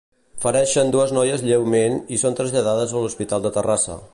Fereixen dues noies lleument i són traslladades a l'Hospital de Terrassa.